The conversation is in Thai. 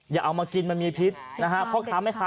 อย่าเอามากินมันมีพิษนะครับเพราะค้าไม่ค้า